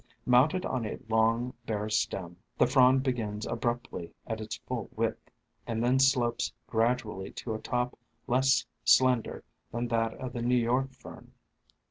Mounted on a long, bare stem, the frond begins abruptly at its full width, and then slopes gradually to a top less slender than that of the New York Fern.